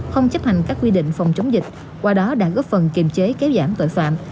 không chấp hành các quy định phòng chống dịch qua đó đã góp phần kiềm chế kéo giảm tội phạm